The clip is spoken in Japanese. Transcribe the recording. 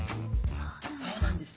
そうなんだ。